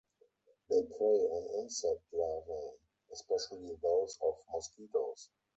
They prey on insect larvae, especially those of mosquitos.